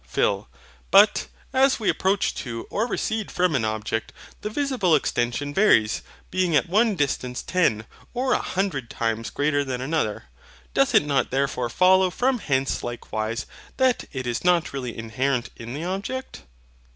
PHIL. But, as we approach to or recede from an object, the visible extension varies, being at one distance ten or a hundred times greater than another. Doth it not therefore follow from hence likewise that it is not really inherent in the object?